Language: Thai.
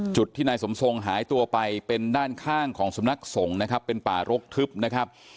จุดที่นายสมทรงหายตัวไปเป็นด้านข้างของสมนักส่งเป็นปลารกทึบ